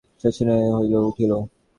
শশিভূষণের শ্বাসক্রিয়া কষ্টসাধ্য হইয়া উঠিল।